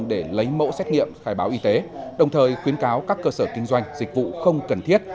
để lấy mẫu xét nghiệm khai báo y tế đồng thời khuyến cáo các cơ sở kinh doanh dịch vụ không cần thiết